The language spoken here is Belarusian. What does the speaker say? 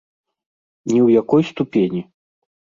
Ні ў якой ступені.